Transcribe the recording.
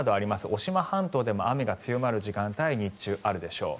渡島半島でも雨が強まる時間帯が日中、あるでしょう。